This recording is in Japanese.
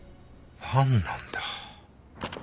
ファンなんだ。